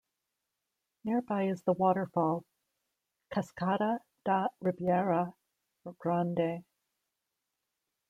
Nearby is the waterfall, Cascata da Ribeira Grande.